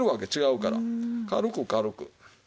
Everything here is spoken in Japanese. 軽く軽く。